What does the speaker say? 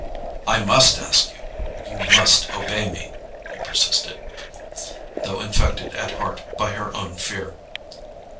"I MUST ask you—you must obey me," he persisted, though infected at heart by her own fear.